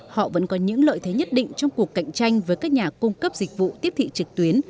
họ vẫn có những lợi thế nhất định trong cuộc cạnh tranh với các nhà cung cấp dịch vụ tiếp thị trực tuyến